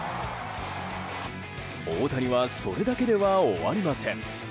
大谷はそれだけでは終わりません。